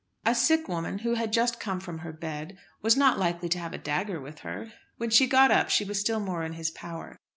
A sick woman, who had just come from her bed, was not likely to have a dagger with her. When she got up she was still more in his power.